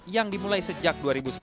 yang dimulai sejak dua ribu sepuluh